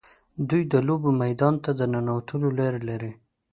دوی د لوبې میدان ته د ننوتلو لارې لري.